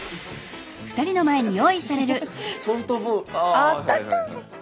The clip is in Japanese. あったかい。